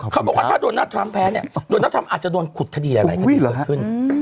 เขาบอกว่าถ้าโดนัททรัมป์แพ้เนี่ยโดนัททรัมป์อาจจะโดนขุดคดีหลายคดีเกิดขึ้น